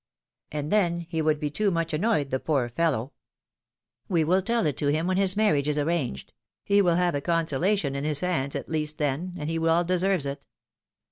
^^And then, he would be too much annoyed, the poor fellow ! We will tell it to him when his marriage is arranged ; he will have a consolation in his hands at least then, and he well deserves it.